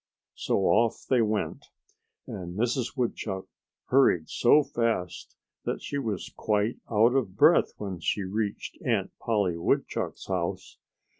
So off they went. And Mrs. Woodchuck hurried so fast that she was quite out of breath when she reached Aunt Polly Woodchuck's house.